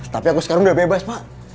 tapi aku sekarang udah bebas pak